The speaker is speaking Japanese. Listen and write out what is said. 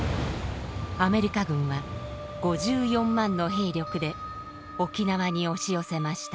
アメリカ軍は５４万の兵力で沖縄に押し寄せました。